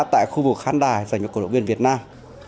tại khu vực khán đài dành cho cổ động viên việt nam